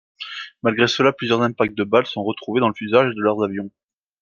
Malgré cela, plusieurs impacts de balle sont retrouvés dans le fuselage de leur avion.